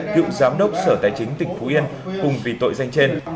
cựu giám đốc sở tài chính tp yên cùng vì tội danh trên